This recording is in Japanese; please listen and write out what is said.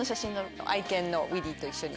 愛犬のウィリーと一緒に。